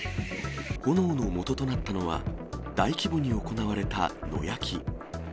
炎のもととなったのは、大規模に行われた野焼き。